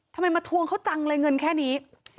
ทำไมมาทวงเขาจังเลยเงินแค่นี้